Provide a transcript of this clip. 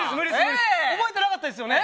覚えてなかったですよね。